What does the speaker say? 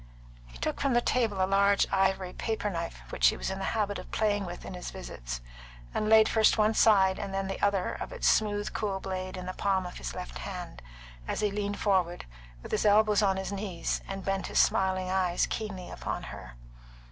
He took from the table a large ivory paper knife which he was in the habit of playing with in his visits, and laid first one side and then the other side of its smooth cool blade in the palm of his left hand, as he leaned forward, with his elbows on his knees, and bent his smiling eyes keenly upon her.